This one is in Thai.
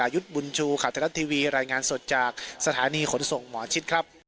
ยุทธ์บุญชูข่าวไทยรัฐทีวีรายงานสดจากสถานีขนส่งหมอชิดครับ